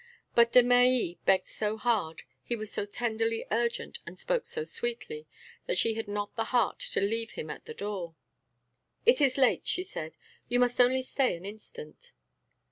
But Desmahis begged so hard, he was so tenderly urgent and spoke so sweetly, that she had not the heart to leave him at the door. "It is late," she said; "you must only stay an instant."